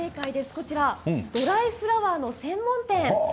こちら、ドライフラワーの専門店。